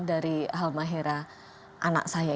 dari almahera anak saya